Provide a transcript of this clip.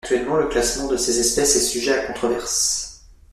Actuellement, le classement de ces espèces est sujet à controverse.